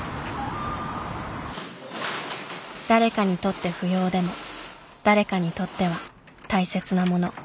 誰かにとって不要でも誰かにとっては大切な物。